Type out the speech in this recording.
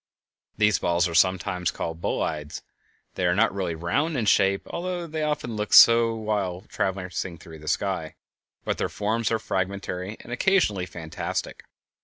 These balls are sometimes called bolides. They are not really round in shape, although they often look so while traversing the sky, but their forms are fragmentary, and occasionally fantastic.